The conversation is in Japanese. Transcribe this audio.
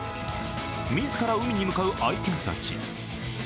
自ら海に向かう愛犬たち。